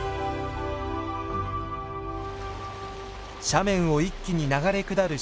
斜面を一気に流れ下る